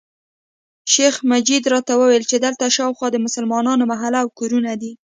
شیخ مجید راته وویل چې دلته شاوخوا د مسلمانانو محله او کورونه دي.